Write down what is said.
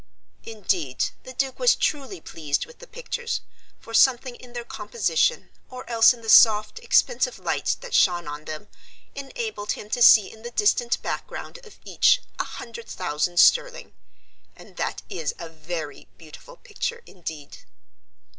Indeed, the Duke was truly pleased with the pictures, for something in their composition, or else in the soft, expensive light that shone on them, enabled him to see in the distant background of each a hundred thousand sterling. And that is a very beautiful picture indeed.